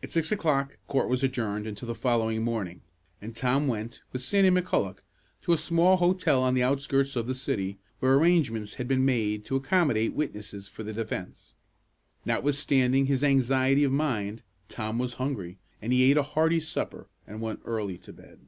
At six o'clock court was adjourned until the following morning, and Tom went, with Sandy McCulloch, to a small hotel on the outskirts of the city, where arrangements had been made to accommodate witnesses for the defence. Notwithstanding his anxiety of mind, Tom was hungry, and he ate a hearty supper and went early to bed.